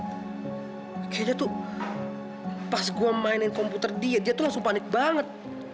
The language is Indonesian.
kayaknya tuh pas gue mainin komputer dia dia tuh langsung panik banget